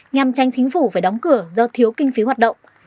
nhằm tranh chính phủ phải đóng cửa do thiếu kinh phí hoạt động